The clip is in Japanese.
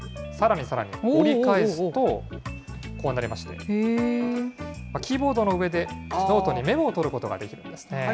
さらにさらに、折り返すと、こうなりまして、キーボードの上でノートにメモを取ることができるんですね。